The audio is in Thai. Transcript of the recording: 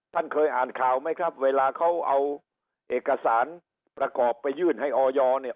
ท่านเคยอ่านข่าวไหมครับเวลาเขาเอาเอกสารประกอบไปยื่นให้ออยเนี่ย